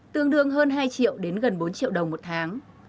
tương đương hơn hai triệu đến gần bốn triệu đồng một tháng